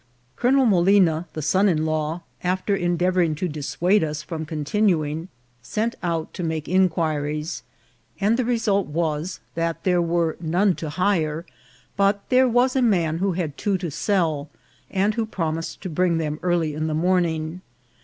Colonel Molina, the son in law, after endeavouring to dissuade us from con tinuing, sent out to make inquiries, and the result was that there were none to hire, but there was a man who had two to sell, and who promised to bring them early in the morning.